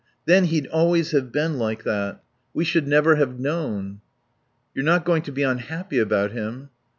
Then he'd always have been like that. We should never have known." "You're not going to be unhappy about him?"